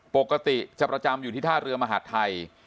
ปกติจะประจำอยู่ที่ท่าเรือมหาดไทย